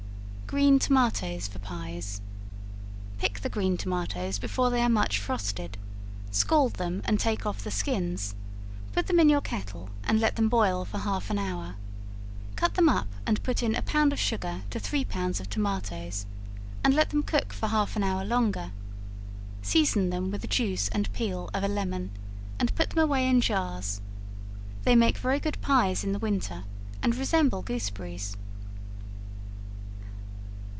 Green Tomatoes for Pies. Pick the green tomatoes before they are much frosted; scald them and take off the skins; put them in your kettle and let them boil for half an hour; cut them up, and put in a pound of sugar to three pounds of tomatoes, and let them cook for half an hour longer; season them with the juice and peel of a lemon, and put them away in jars. They make very good pies in the winter, and resemble gooseberries.